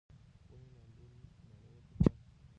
ونې نالول پکار دي